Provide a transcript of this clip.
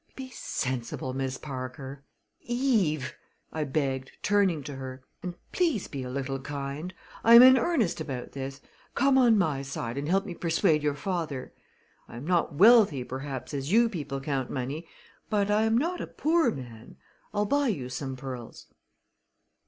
Be sensible, Miss Parker Eve!" I begged, turning to her; "and please be a little kind. I am in earnest about this. Come on my side and help me persuade your father. I am not wealthy, perhaps, as you people count money, but I am not a poor man. I'll buy you some pearls."